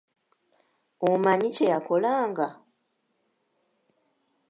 Omanyi kye yakolanga?